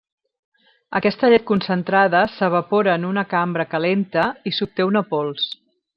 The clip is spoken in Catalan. Aquesta llet concentrada s'evapora en una cambra calenta i s'obté una pols.